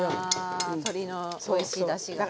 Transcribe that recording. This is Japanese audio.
あ鶏のおいしいだしが。